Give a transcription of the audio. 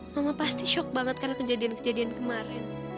mama pasti shock banget karena kejadian kejadian kemarin